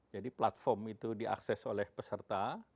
jadi platform itu diakses oleh peserta